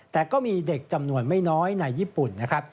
แต่ก็มีเด็กจำนวนไม่น้อยในญี่ปุ่นนะครับ